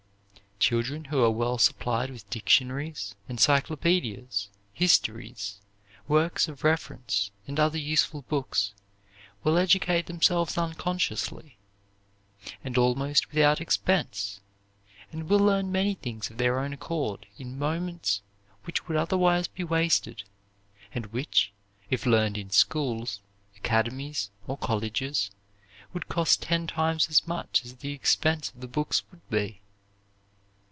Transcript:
Children who are well supplied with dictionaries, encyclopedias, histories, works of reference, and other useful books, will educate themselves unconsciously, and almost without expense, and will learn many things of their own accord in moments which would otherwise be wasted; and which, if learned in schools, academies, or colleges, would cost ten times as much as the expense of the books would be.